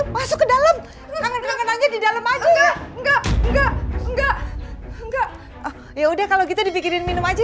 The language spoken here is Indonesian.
masuk ke dalam di dalam aja ya nggak nggak nggak nggak nggak ya udah kalau gitu dibikinin minum aja